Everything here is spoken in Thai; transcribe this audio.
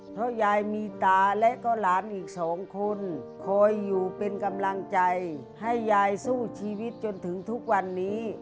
เพราะยายมีตาและก็หลานอีก๒คน